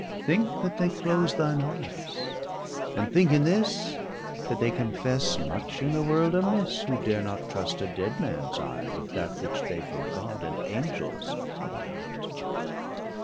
Thinke that they close thine eyes, and thinke in this, That they confesse much in the world, amisse, 110 Who dare not trust a dead mans eye with that, Which they from God, and Angels cover not.